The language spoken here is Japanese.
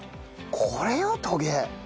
これよトゲ！